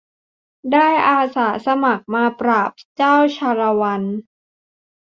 ได้อาสามาปราบเจ้าชาละวัน